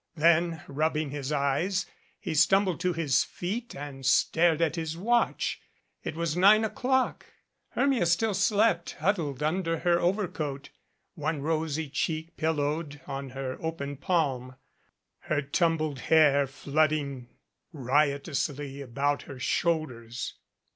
Then, rubbing his eyes, he stumbled to his feet and stared at his watch. It was nine o'clock. Hermia still slept, huddled under her overcoat, one rosy cheek pillowed on her open palm, her tumbled hair flooding riotously about her shoulders.